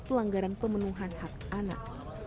pelanggaran pemenuhan hak anak